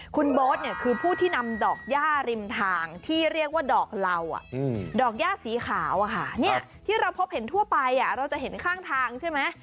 คุณโบ๊ทเนี่ยคือผู้ที่นำดอกย่าริมทางที่เรียกว่าดอกเหล่าดอกย่าสีขาวอะค่ะที่เราพบเห็นทั่วไปเราจะเห็นข้างทางใช่ไหม